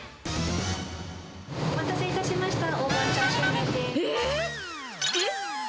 お待たせいたしました。